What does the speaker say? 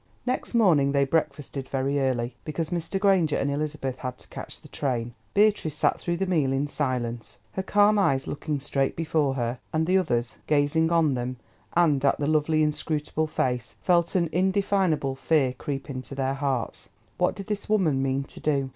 Next morning they breakfasted very early, because Mr. Granger and Elizabeth had to catch the train. Beatrice sat through the meal in silence, her calm eyes looking straight before her, and the others, gazing on them, and at the lovely inscrutable face, felt an indefinable fear creep into their hearts. What did this woman mean to do?